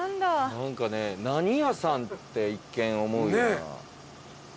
何屋さん？って一見思うような。